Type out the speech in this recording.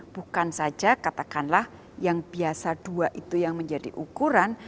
bukan saja katakanlah yang biasa dua itu yang menjadi ukuran